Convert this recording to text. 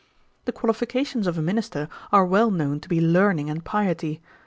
The qualifications of a minister are well known to be learning and piety.